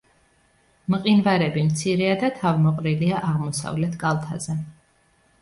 მყინვარები მცირეა და თავმოყრილია აღმოსავლეთ კალთაზე.